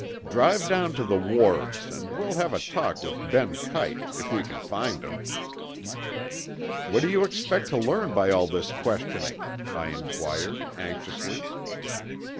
"Drive down to the wharves and we'll have a talk with Ben Kite, if we can find him." "What do you expect to learn by all this questioning?" I inquired anxiously.